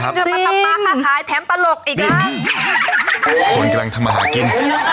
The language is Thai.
บิ๊คนกำลังทำมาหากิน